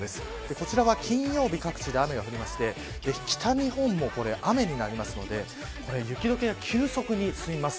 こちらは金曜日各地で雨が降って北日本も雨になりますので雪解けが急速に進みます。